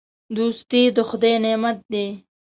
دوستي د خدای نعمت دی.